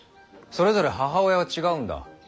それぞれ母親は違うんだ。